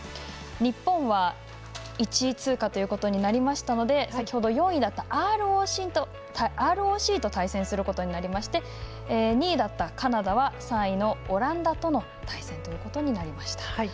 日本は１位通過ということになりましたので先ほど４位だったＲＯＣと対戦することになりまして２位だったカナダは３位のオランダとの対戦となりました。